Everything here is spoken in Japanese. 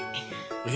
え？